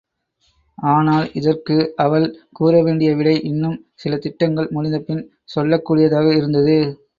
ஆனால், இதற்கு அவள் கூறவேண்டிய விடை இன்னும் சில திட்டங்கள் முடிந்தபின் சொல்லக் கூடியதாக இருந்தது.